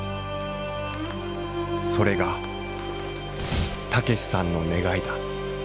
それが武さんの願いだ。